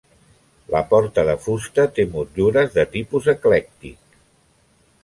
La porta de fusta té motllures de tipus eclèctic.